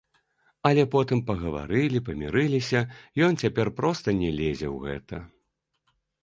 Але потым пагаварылі, памірыліся, ён цяпер проста не лезе ў гэта.